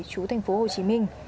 chú thành phố hồ chí minh